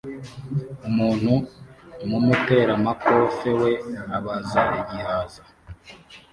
Umuntu mumuteramakofe we abaza igihaza